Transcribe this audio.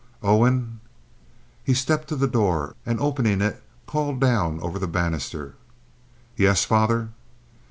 "Owen!" He stepped to the door, and, opening it, called down over the banister. "Yes, father."